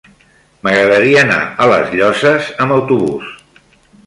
M'agradaria anar a les Llosses amb autobús.